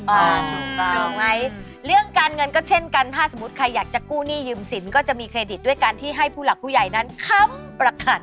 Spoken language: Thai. ถูกต้องถูกไหมเรื่องการเงินก็เช่นกันถ้าสมมุติใครอยากจะกู้หนี้ยืมสินก็จะมีเครดิตด้วยการที่ให้ผู้หลักผู้ใหญ่นั้นค้ำประกัน